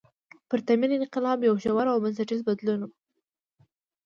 پرتمین انقلاب یو ژور او بنسټیز بدلون و.